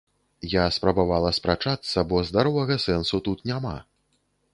Я спрабавала спрачацца, бо здаровага сэнсу тут няма.